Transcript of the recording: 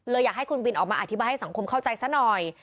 อยากให้คุณบินออกมาอธิบายให้สังคมเข้าใจซะหน่อย